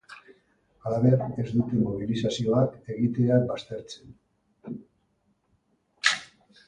Halaber, ez dute mobilizazioak egitea baztertzen.